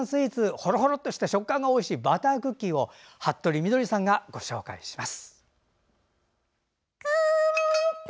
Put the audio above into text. ほろほろとした食感がおいしいバタークッキーを服部みどりさんがご紹介します。